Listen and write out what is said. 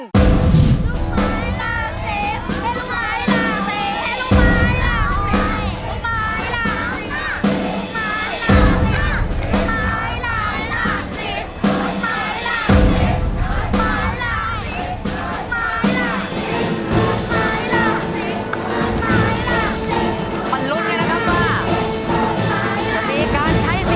ลูกไม้หลากสิบให้ลูกไม้หลากสิบให้ลูกไม้หลากสิบ